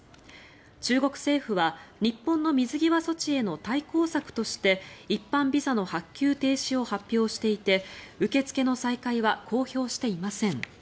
中国政府は日本の水際措置への対抗策として一般ビザの発給停止を発表していて受け付けの再開は公表していません。